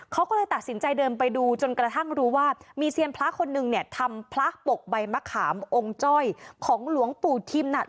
เขาก็เลยตัดสินใจเดินไปดูจนกระทั่งรู้ว่ามีเซียนพระคนนึงเนี่ยทำพระปกใบมะขามองค์จ้อยของหลวงปู่ทิมน่ะ